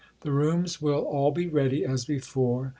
The rooms will all be ready, as before.